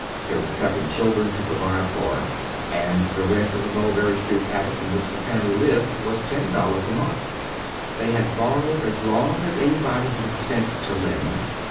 There were seven children to pi ovide for, and the rent of the Mulberry Street attic in which the family lived was $10 a jnonth. They had borrowed as long as anybody had a cent to lend.